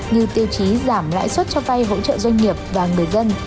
như tiêu chí giảm lãi suất cho vay hỗ trợ doanh nghiệp và người dân